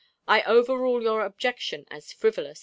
[#] I overrule your objection as frivolous."